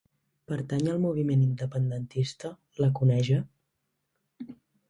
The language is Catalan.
Pertany al moviment independentista la coneja?